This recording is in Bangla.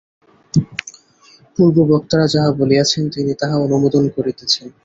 পূর্ব-বক্তারা যাহা বলিয়াছেন, তিনি তাহা অনুমোদন করিতেছেন।